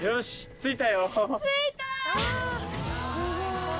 着いた。